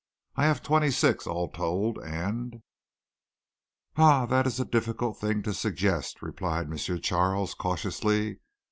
I have twenty six all told and " "Ah! that is a difficult thing to suggest," replied M. Charles cautiously.